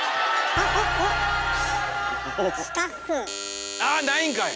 ああないんかい！